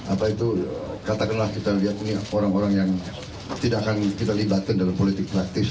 apa itu katakanlah kita lihat ini orang orang yang tidak akan kita libatkan dalam politik praktis